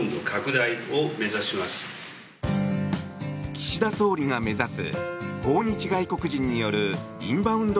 岸田総理が目指す訪日外国人によるインバウンド